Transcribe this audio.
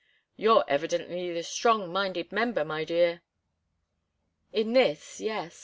"You're evidently the strong minded member, my dear." "In this yes.